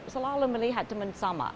selalu melihat teman sama